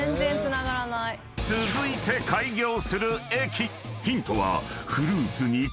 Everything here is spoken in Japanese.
［続いて開業する駅］